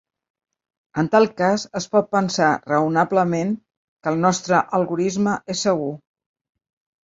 En tal cas es pot pensar raonablement que el nostre algorisme és segur.